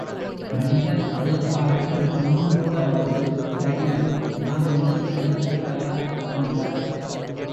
நடிகர் அதைப் பார்த்துப் புன்முறுவலோடு, சரி, நான் இதில் நடிக்கத் தயார்! என்றார்.